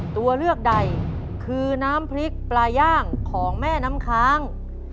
ตัวเลือกใดคือน้ำพริกปลาย่างของแม่น้ำค้าง